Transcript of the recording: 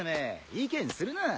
意見するな。